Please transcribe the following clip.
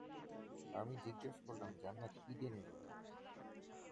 আমি জিজ্ঞেস করলাম, "জান্নাত কী দিয়ে নির্মিত?"